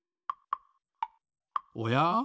おや？